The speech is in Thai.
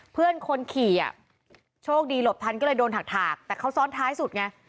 เพื่อนคนขี่อ่ะโชคดีหลบทันก็เลยโดนถากแต่เขาซ้อนท้ายสุดไง